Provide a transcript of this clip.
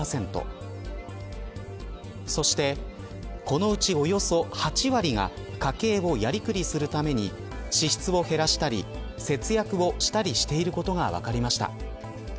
そして、このうちおよそ８割が家計をやりくりするために支出を減らしたり節約をしたりしていることが分かりました。